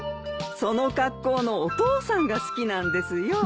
その格好のお父さんが好きなんですよ。